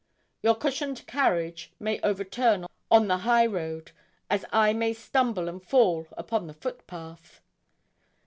Your cushioned carriage may overturn on the highroad, as I may stumble and fall upon the footpath.